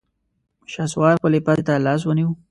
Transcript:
شهسوار خپلې پزې ته لاس ونيو.